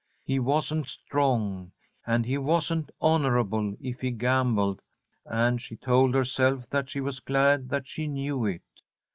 He wasn't strong, and he wasn't honourable if he gambled, and she told herself that she was glad that she knew it.